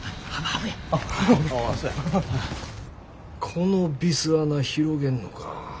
このビス穴広げんのか。